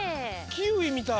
キウイみたい。